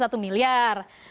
nih satu miliar